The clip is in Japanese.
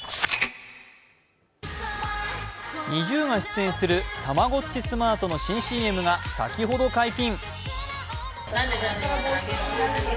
ＮｉｚｉＵが出演するたまごっちスマートの新ＣＭが先ほど解禁。